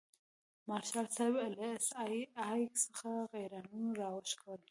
مارشال صاحب له سي آی اې څخه غیرانونه راوشکول.